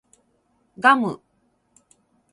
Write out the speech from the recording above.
ガム